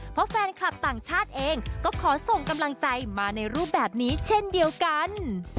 เพราะแฟนคลับต่างชาติเองก็ขอส่งกำลังใจมาในรูปแบบนี้เช่นเดียวกัน